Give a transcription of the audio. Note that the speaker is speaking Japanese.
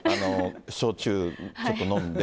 焼酎ちょっと飲んで。